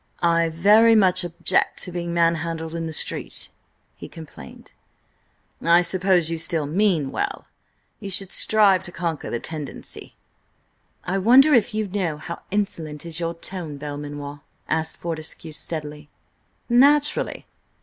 "I very much object to being man handled in the street," he complained. "I suppose you still mean well. You should strive to conquer the tendency." "I wonder if you know how insolent is your tone, Belmanoir?" asked Fortescue steadily. "Naturally.